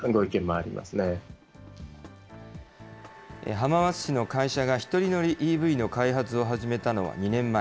浜松市の会社が１人乗りＥＶの開発を始めたのは２年前。